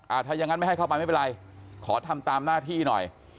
ถ้ายังงั้นไม่ให้เข้าไปไม่เป็นไรขอทำตามหน้าที่หน่อย